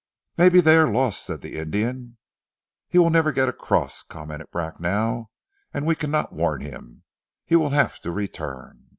"Maybe they are lost," said the Indian. "He will never get across," commented Bracknell, "and we cannot warn him. He will have to return."